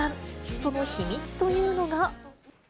その秘密というのが。